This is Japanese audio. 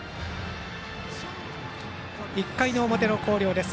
１回の表の広陵です。